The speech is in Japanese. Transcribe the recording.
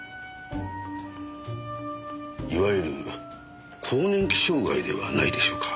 いわゆる更年期障害ではないでしょうか。